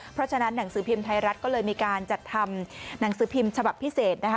เพราะฉะนั้นหนังสือพิมพ์ไทยรัฐก็เลยมีการจัดทำหนังสือพิมพ์ฉบับพิเศษนะคะ